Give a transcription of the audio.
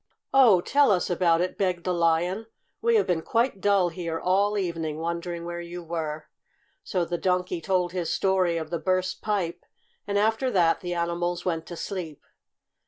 "Oh, tell us about it!" begged the Lion. "We have been quite dull here all evening, wondering where you were." So the Donkey told his story of the burst pipe, and after that the animals went to sleep.